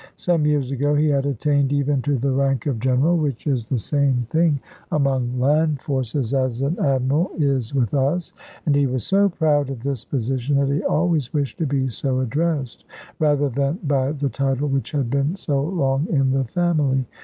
Some years ago he had attained even to the rank of general, which is the same thing among land forces as an admiral is with us; and he was so proud of this position that he always wished to be so addressed, rather than by the title which had been so long in the family.